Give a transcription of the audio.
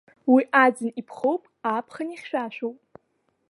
Уи аӡын иԥхоуп, аԥхын ихьшәашәоуп.